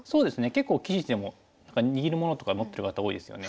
結構棋士でも何か握るものとか持ってる方多いですよね。